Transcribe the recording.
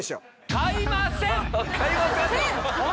「買いません！」なの？